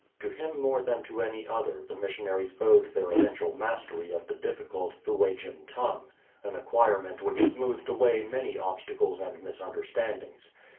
To him more than to any other the missionaries owed their eventual mastery of the difficult Fuegian tongue — an acquirement which smoothed away many 263 HOLDING THE FORT obstacles and misunderstandings.